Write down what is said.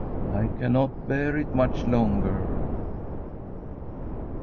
I cannot bear it much longer.'